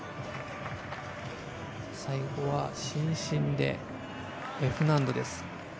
最後は伸身でＦ難度です。